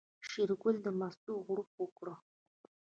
شېرګل له مستو غوړپ وکړ.